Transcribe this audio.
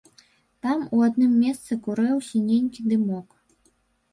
Там, у адным месцы, курэў сіненькі дымок.